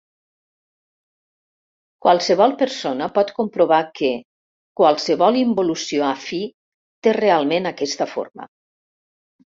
Qualsevol persona pot comprovar que qualsevol involució afí té realment aquesta forma.